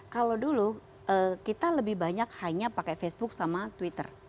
kalau dulu kita lebih banyak hanya pakai facebook sama twitter